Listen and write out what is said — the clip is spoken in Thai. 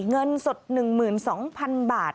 เงินสด๑๒๐๐๐บาท